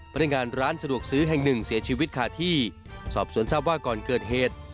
พนักงานร้านสะดวกซื้อแห่งหนึ่งเสียชีวิตคาที่สอบสวนทราบว่าก่อนเกิดเหตุ